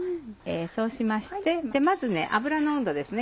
そうしましてまず油の温度ですね。